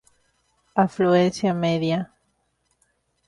Afluencia media.